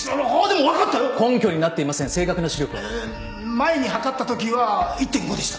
前に測ったときは１．５でした。